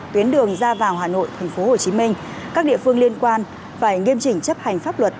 tuyến đường ra vào hà nội tp hcm các địa phương liên quan phải nghiêm chỉnh chấp hành pháp luật